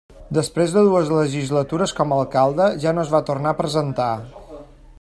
Després de dues legislatures com alcalde ja no es va tornar a presentar.